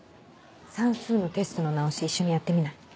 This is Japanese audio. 算数のテストの直し一緒にやってみない？